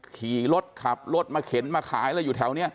ขี่รถขับรถมาเข็นมาขายอะไรอยู่แถวนี้